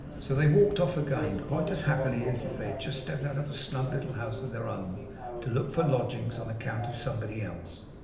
So they walked off again, quite as happily as if they had just stepped out of a snug little house of their own, to look for lodgings on account of somebody else.